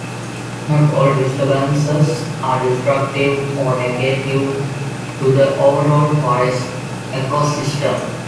Not all disturbances are destructive or negative to the overall forest ecosystem.